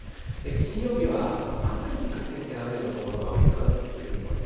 金曜日は朝にかけて雨の所が多いかなという予想です。